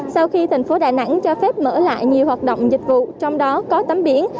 sau khi thành phố đà nẵng cho phép mở lại nhiều hoạt động dịch vụ trong đó có tắm biển